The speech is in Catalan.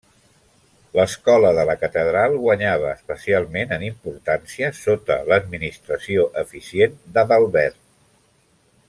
L'escola de la catedral guanyava especialment en importància sota l'administració eficient d'Adalbert.